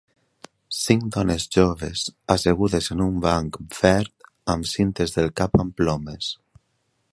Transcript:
Cinc dones joves assegudes en un banc verd amb cintes del cap amb plomes.